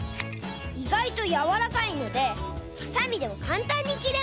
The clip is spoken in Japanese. いがいとやわらかいのでハサミでもかんたんにきれます！